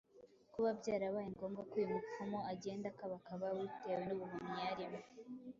Kuba byarabaye ngombwa ko uyu mupfumu agenda akabakaba bitewe n’ubuhumyi yarimo,